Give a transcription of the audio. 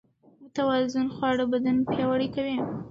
متوازن خواړه بدن پياوړی کوي.